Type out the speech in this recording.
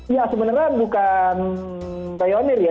ya sebenarnya bukan pionir ya